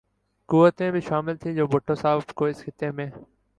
قوتیں بھی شامل تھیں جو بھٹو صاحب کو اس خطے میں